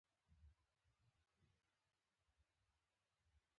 جګړه د ادب خاموشي ده